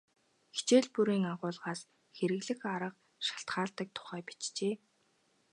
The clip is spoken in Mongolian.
Хичээл бүрийн агуулгаас хэрэглэх арга шалтгаалдаг тухай бичжээ.